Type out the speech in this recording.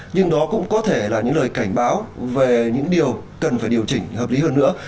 nhưng đó cũng có thể là những lời cảnh báo về những điều cần phải điều chỉnh hợp lý hơn nữa